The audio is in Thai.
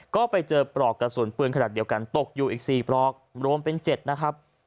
ก็ไปเจอปลอกกระสุนปืนขนาดเดียวกันตกอยู่อีก๔ปลอกรวมเป็น๗นะครับ